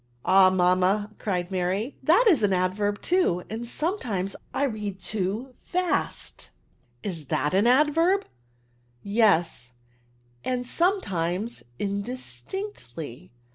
^" Ah, mamma,^' cried Maiy, " that is an adverb, too ; and sometimes I read too feisty is that an adverb ?"^* Yes ; and sometimes indistinctly"